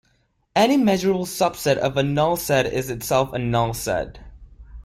Any measurable subset of a null set is itself a null set.